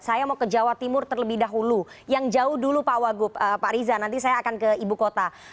saya mau ke jawa timur terlebih dahulu yang jauh dulu pak wagub pak riza nanti saya akan ke ibu kota